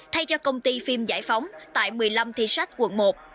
thay cho công ty phim giải phóng tại một mươi năm thi sách quận một